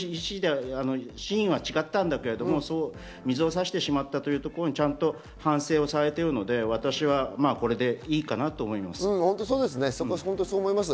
真意は違ったんだけれども、水を差してしまったというところに反省をされているので、私はこれでいいのかなと思います。